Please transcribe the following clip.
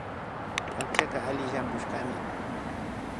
Akchaka alli llampushkami